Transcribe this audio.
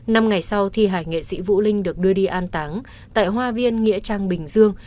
năm ngày sau thi hải nghệ sĩ vũ linh được đưa đi an táng tại hoa viên nghĩa trang bình dương